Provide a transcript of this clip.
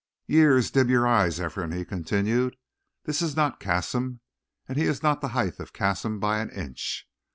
"Years dim your eyes, Ephraim," he continued. "This is not Cassim and he is not the height of Cassim by an inch.